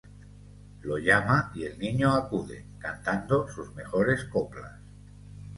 Lo llama y el niño acude, cantando sus mejores coplas.